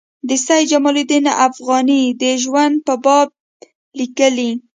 د سید جمال الدین افغاني د ژوند په باب لیکي.